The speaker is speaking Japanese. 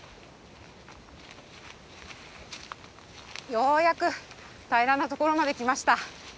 ようやく平らなところまで来ました。